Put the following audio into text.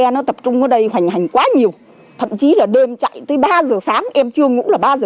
nó tập trung ở đây hoành hành quá nhiều thậm chí là đêm chạy tới ba giờ sáng